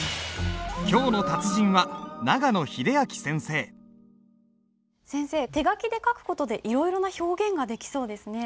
今日の達人は先生手書きで書く事でいろいろな表現ができそうですね。